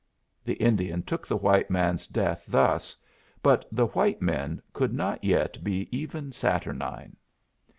The Indian took the white man's death thus; but the white men could not yet be even saturnine.